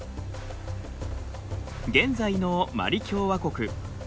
現在のマリ共和国。